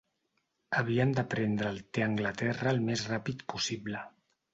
Havien de prendre el te a Anglaterra el més ràpid possible.